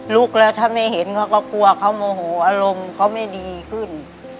ลุกแล้วถ้าไม่เห็นเขาก็กลัวเขาโมโหอารมณ์เขาไม่ดีขึ้น